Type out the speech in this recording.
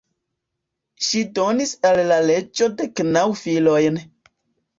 Ŝi donis al la reĝo dek naŭ filojn.